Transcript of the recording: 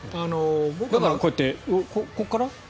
だからこうやってここから？